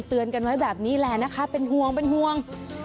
เตือนกันไว้แบบนี้แหละนะคะเป็นห่วง